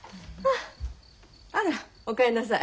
あらお帰りなさい。